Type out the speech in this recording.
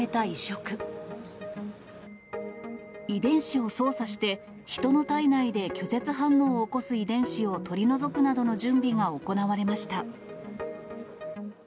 遺伝子を操作して、人の体内で拒絶反応を起こす遺伝子を取り除くなどの準備が行われました。